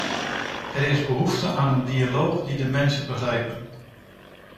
Er is behoefte aan een dialoog die de mensen begrijpen.